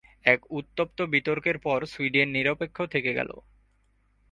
এক উত্তপ্ত বিতর্কের পর সুইডেন নিরপেক্ষ থেকে গেল।